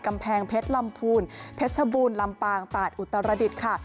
กำแพงเพชรลำพูนเพชรบูรลำปางตาดอุตรดิษฐ์ค่ะ